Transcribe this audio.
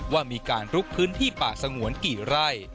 ว่ามีการลุกพื้นที่ป่าสงวนกี่ไร่